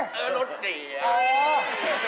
เออรถเจียว